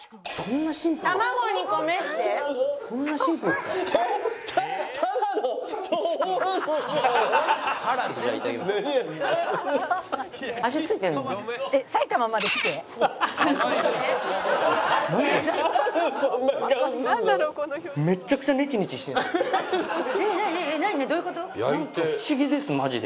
なんか不思議ですマジで。